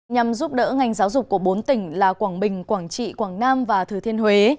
nhằm giúp đỡ ngành giáo dục của bốn tỉnh là quảng bình quảng trị quảng nam và thừa thiên huế